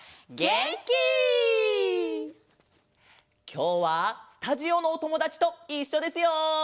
きょうはスタジオのおともだちといっしょですよ！